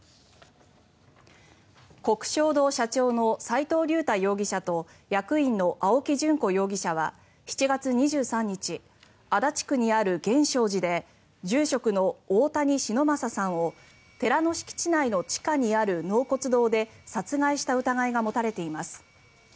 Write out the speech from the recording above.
鵠祥堂社長の齋藤竜太容疑者と役員の青木淳子容疑者は７月２３日足立区にある源証寺で住職の大谷忍昌さんを寺の敷地内の地下にある納骨堂で殺害した疑いが持たれています。